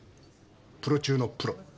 プロ中のプロ。